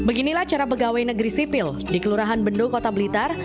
beginilah cara pegawai negeri sipil di kelurahan bendo kota blitar